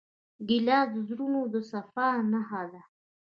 ګیلاس د زړونو د صفا نښه ده.